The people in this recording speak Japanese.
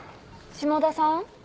下田さん？